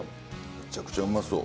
むちゃくちゃうまそう。